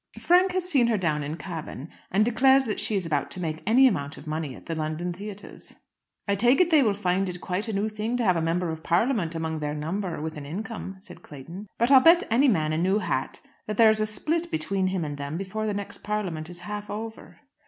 "Frank has seen her down in Cavan, and declares that she is about to make any amount of money at the London theatres." "I take it they will find it quite a new thing to have a Member of Parliament among their number with an income," said Clayton. "But I'll bet any man a new hat that there is a split between him and them before the next Parliament is half over."